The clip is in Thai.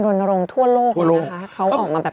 โดนโรงทั่วโลกนะคะเขาออกมาแบบ